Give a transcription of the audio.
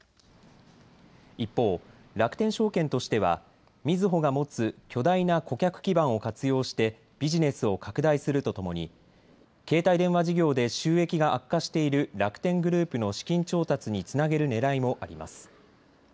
一方、楽天証券としてはみずほが持つ巨大な顧客基盤を活用してビジネスを拡大するとともに携帯電話事業で収益が悪化している楽天グループの資金調達につなげるねらいもあります。